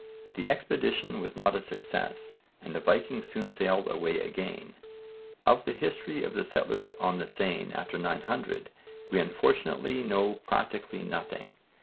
The expedition was not a success and the Vikings soon sailed away again. Of the history of the settlers on the Seine after 900 we unfortunately know practically nothing.